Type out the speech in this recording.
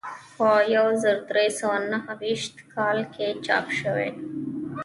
په یو زر درې سوه نهه ویشت کال کې چاپ شوی.